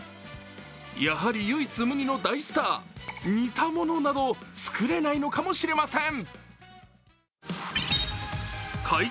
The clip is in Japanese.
やはり唯一無二の大スター、似たものなど作れないのかもしれません。